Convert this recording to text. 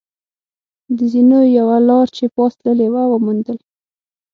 د زینو یوه لار چې پاس تللې وه، و موندل.